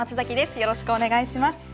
よろしくお願いします